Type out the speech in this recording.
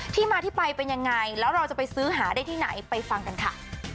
ที่มาที่ไปเป็นยังไงแล้วเราจะไปซื้อหาได้ที่ไหนไปฟังกันค่ะ